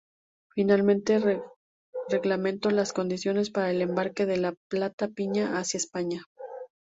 Finalmente, reglamentó las condiciones para el embarque de la "plata piña" hacia España.